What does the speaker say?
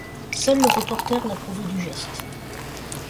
Seul, le reporter l’approuvait du geste.